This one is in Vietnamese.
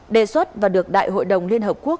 đề xuất và được đại hội đồng liên hợp quốc